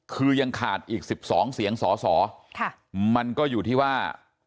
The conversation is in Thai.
คือยังขาดอีก๑๒เสียงสอสอมันก็อยู่ที่ว่า